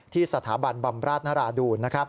ที่สถาบันบำราษณราดูล